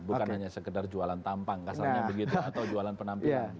bukan hanya sekedar jualan tampang kasarnya begitu atau jualan penampilan